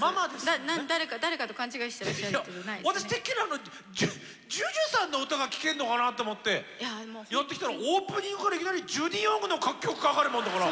私てっきりあのＪＵＪＵさんの歌が聴けんのかなと思ってやって来たらオープニングからいきなりジュディ・オングの楽曲かかるもんだから。